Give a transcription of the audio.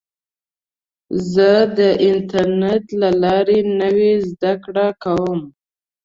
زه د انټرنیټ له لارې نوې زده کړه کوم.